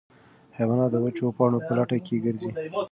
حیوانات د وچو پاڼو په لټه کې ګرځي.